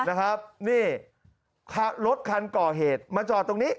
นะครับนี่รถคันก่อเหตุมาจอดตรงนี้